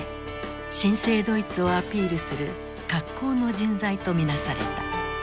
新生ドイツをアピールする格好の人材と見なされた。